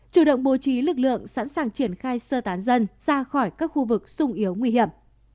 chủ động bố trí lực lượng sẵn sàng triển khai sơ tán dân ra khỏi các khu vực sung yếu nguy hiểm